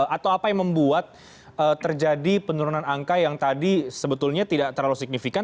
atau apa yang membuat terjadi penurunan angka yang tadi sebetulnya tidak terlalu signifikan